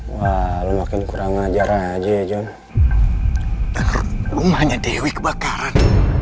walaupun kurang ajaran aja john rumahnya dewi kebakaran